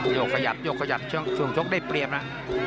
โยกขยับโยกขยับช่วงชกได้เปรียบนะ